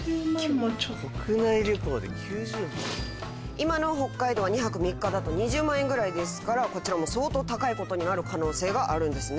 今の北海道は２泊３日だと２０万円くらいですからこちらも相当高いことになる可能性があるんですね。